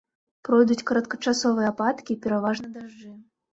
Пройдуць кароткачасовыя ападкі, пераважна дажджы.